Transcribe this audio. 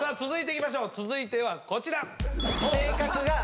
続いてはこちら。